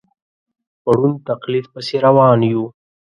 په ړوند تقلید پسې روان یو.